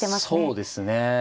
そうですね。